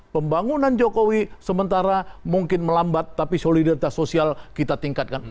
pembangunan jokowi sementara mungkin melambat tapi solidaritas sosial kita tingkatkan